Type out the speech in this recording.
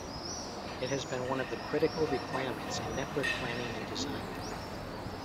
It has been one of the critical requirements in network planning and design.